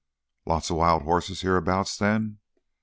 "Lots of wild horses hereabouts then?"